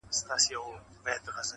هوښيارانو دي راوړي دا نكلونه٫